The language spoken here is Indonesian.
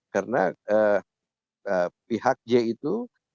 karena pihak j itu